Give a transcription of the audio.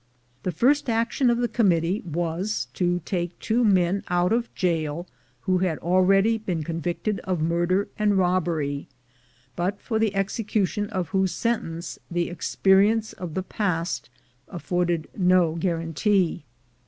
The first action of the Committee was to take two men out of jail who had already been convicted of murder and robbery, but for the execution of whose sentence the experience of the past afforded no guar antee.